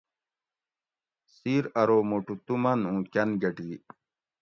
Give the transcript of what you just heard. سِیر ارو مُٹو تُو من اُوں کٞن گٞٹی